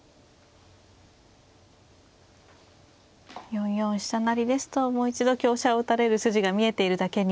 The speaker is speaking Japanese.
４四飛車成ですともう一度香車を打たれる筋が見えているだけに。